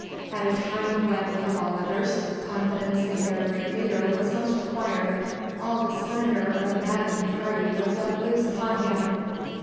At a time when, of all others, confidence in their great leader was most required, all the slander of a maddened party was let loose upon him.